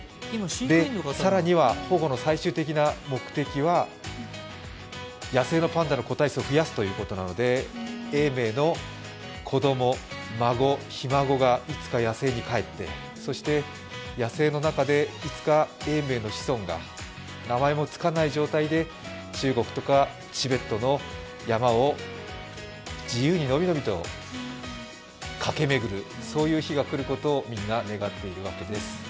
さらには保護の最終的な目的は野生のパンダの個体数を増やすということなので永明の子供、孫、ひ孫がいつか野生にかえって野生の中でいつか永明の子孫が、名前もつかない状態で中国とかチベットの山を自由にのびのびと駆け巡る、そういう日が来ることをみんな願っているわけです。